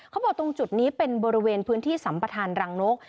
ตรงจุดนี้เป็นบริเวณพื้นที่สัมประธานรังนก